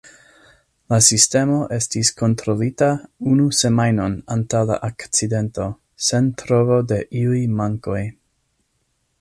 La sistemo estis kontrolita unu semajnon antaŭ la akcidento, sen trovo de iuj mankoj.